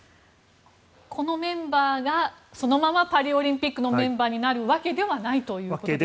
このメンバーがそのままパリオリンピックのメンバーになるわけではないということでしょうか。